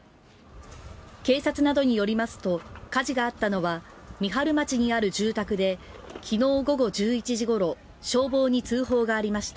警察などによりますと火事があったのは三春町にある住宅で昨日午後１１時ごろ消防に通報がありました。